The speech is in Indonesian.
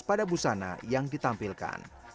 pada busana yang ditampilkan